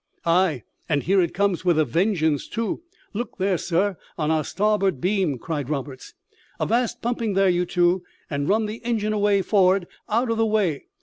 "Ay; and here it comes with a vengeance, too! Look there, sir, on our starboard beam," cried Roberts. "Avast pumping there, you two, and run the engine away for'ard, out of the way.